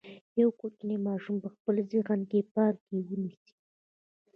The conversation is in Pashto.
یو کوچنی ماشوم په خپل ذهن کې په پام کې ونیسئ.